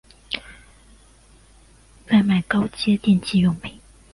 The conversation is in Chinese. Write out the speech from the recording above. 贩售高阶电器用品